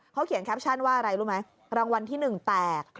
เขาเขียนแคปชั่นว่าอะไรรู้ไหมรางวัลที่๑แตก